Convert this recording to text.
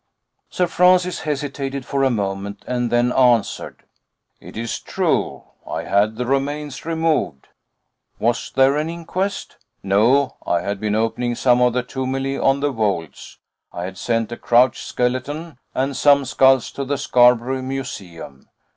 Sir Francis hesitated for a moment, and then answered: "It is true, I had the remains removed." "Was there an inquest?" "No. I had been opening some of the tumuli on the Wolds. I had sent a crouched skeleton and some skulls to the Scarborough Museum.